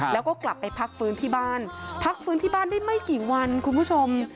แล้วก็กลับไปพักฟื้นที่บ้านพักฟื้นที่บ้านได้ไม่กี่วันคุณผู้ชม